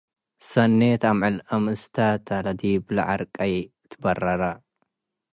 ሰኔት አምዕል አምእስታታ - ለዲብለ ዐርቀይ ትበርራ